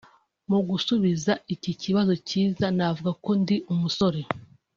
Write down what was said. Mu gusubiza iki kibazo cyiza navuga ko ndi umusore